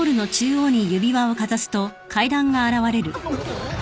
あっ！